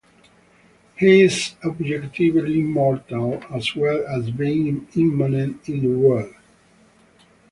He is objectively immortal, as well as being immanent in the world.